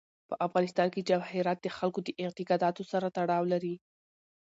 په افغانستان کې جواهرات د خلکو د اعتقاداتو سره تړاو لري.